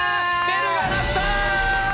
ベルが鳴った！